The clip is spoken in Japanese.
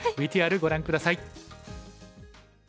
ＶＴＲご覧下さい。